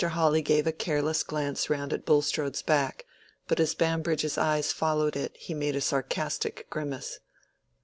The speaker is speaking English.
Hawley gave a careless glance round at Bulstrode's back, but as Bambridge's eyes followed it he made a sarcastic grimace.